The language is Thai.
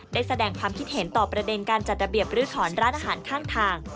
ได้แสดงความคิดเห็นต่อประเด็นการจัดระเบียบรื้อถอนร้านอาหารข้างทาง